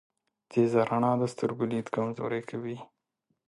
تیزه رڼا د سترګو لید کمزوری کوی.